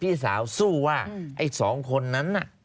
พี่สาวสู้ว่าไอ้สองคนนั้นน่ะ